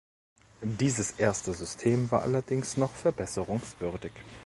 Dieses erste System war allerdings noch verbesserungswürdig.